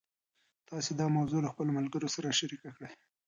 تاسي دا موضوع له خپلو ملګرو سره شریکه کړئ.